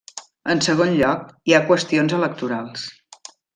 En segon lloc, hi ha qüestions electorals.